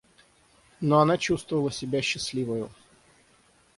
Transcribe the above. Но она чувствовала себя счастливою.